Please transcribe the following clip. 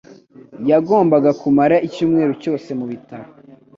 Yagombaga kumara icyumweru cyose mu bitaro.